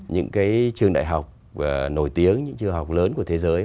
những cái trường đại học nổi tiếng những trường học lớn của thế giới